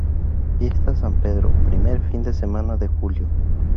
Fiestas San Pedro, primer fin de semana de Julio.